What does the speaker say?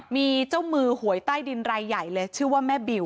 มีเจ้ามือหวยใต้ดินรายใหญ่เลยชื่อว่าแม่บิว